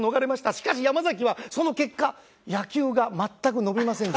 しかし山崎はその結果野球が全く伸びませんでした。